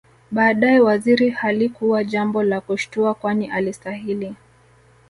Baadae Waziri halikuwa jambo la kushtua kwani alistahili